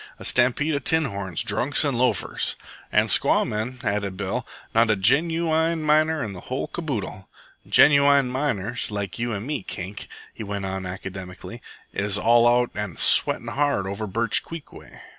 "A stampede of tin horns, drunks, an' loafers." "An' squaw men," added Bill. "Not a genooine miner in the whole caboodle." "Genooine miners like you an' me, Kink," he went on academically, "is all out an' sweatin' hard over Birch Creek way.